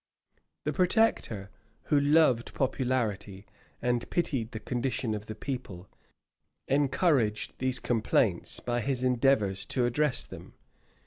The protector, who loved popularity, and pitied the condition of the people, encouraged these complaints by his endeavors to redress them.